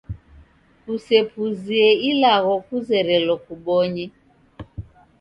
Kusepuzie ilagho kuzerelo kubonye.